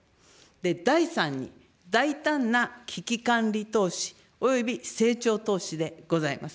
第３に大胆な危機管理投資および成長投資でございます。